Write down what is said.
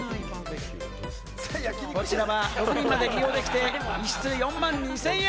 こちらは６人まで利用できて、１室４万２０００円。